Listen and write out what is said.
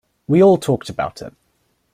We all talked about it.